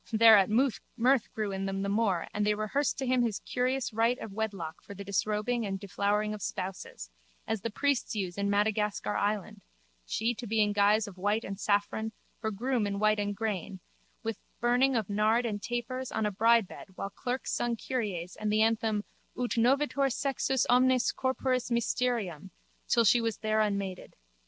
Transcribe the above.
Thereat mirth grew in them the more and they rehearsed to him his curious rite of wedlock for the disrobing and deflowering of spouses, as the priests use in Madagascar island, she to be in guise of white and saffron, her groom in white and grain, with burning of nard and tapers, on a bridebed while clerks sung kyries and the anthem Ut novetur sexus omnis corporis mysterium till she was there unmaided.